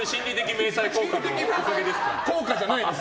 迷彩効果じゃないです！